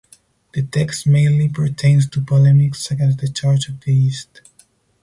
The text mainly pertains to polemics against the Church of the East.